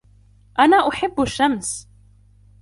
أنا أحب الشمس.